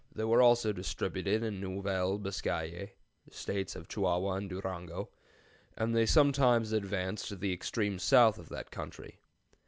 They were also distributed in Nouvelle Biscaye (States of Chihuahua and Durango), and they sometimes advanced to the extreme south of that country.